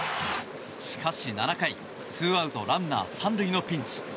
しかし７回２アウト、ランナー３塁のピンチ。